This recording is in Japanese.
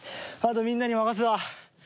あとみんなに任すわ。